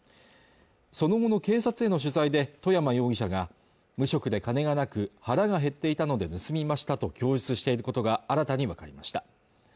その後の警察への取材で外山容疑者が無職で金がなく腹が減っていたので盗みましたと供述していることが新たに分かりました